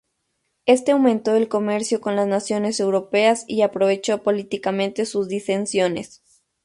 Este aumentó el comercio con las naciones europeas y aprovechó políticamente sus disensiones.